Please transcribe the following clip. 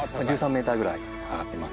メーターぐらい上がってます。